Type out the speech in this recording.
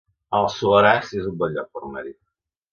El Soleràs es un bon lloc per anar-hi